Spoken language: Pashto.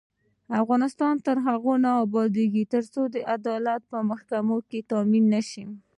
افغانستان تر هغو نه ابادیږي، ترڅو عدالت په محکمو کې تامین نشي.